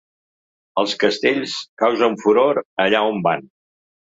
Els castells causen furor allà on van.